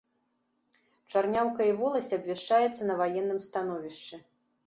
Чарняўка і воласць абвяшчаецца на ваенным становішчы.